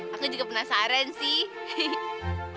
aku juga penasaran sih